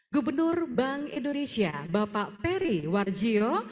gubernur bank indonesia bapak peri warjio